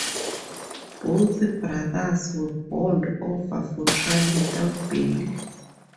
Both brothers were bound over for trial without bail.